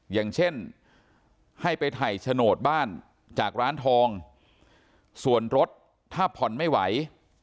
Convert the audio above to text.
อย่างเช่นให้ไปถ่ายโฉนดบ้านจากร้านทองส่วนรถถ้าผ่อนไม่ไหว